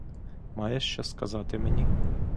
Маєш що сказати мені?